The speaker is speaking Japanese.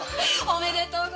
おめでとう！